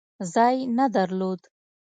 ځای نه درلود.